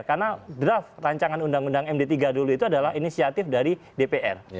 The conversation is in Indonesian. karena draft rancangan undang undang md tiga dulu itu adalah inisiatif dari dpr